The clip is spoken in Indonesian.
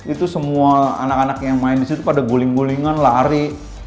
itu semua anak anak yang main di situ pada guling gulingan lari